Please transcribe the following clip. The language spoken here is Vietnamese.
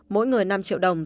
mỗi người năm triệu đồng